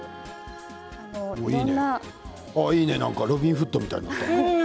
なんかいいね、ロビンフットみたいになった。